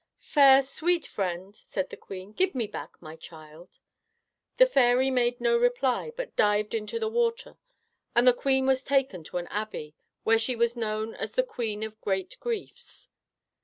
"Fair, sweet friend," said the queen, "give me back my child." The fairy made no reply, but dived into the water; and the queen was taken to an abbey, where she was known as the Queen of Great Griefs.